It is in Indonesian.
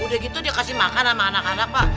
udah gitu dikasih makanan sama anak anak pak